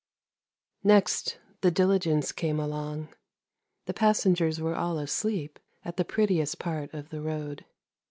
Next, the diligence came along. The passengers were all asleep at the prettiest part of the road.